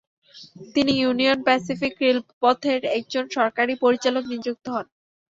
তিনি Union Pacific রেলপথের একজন সরকারি পরিচালক নিযুক্ত হন।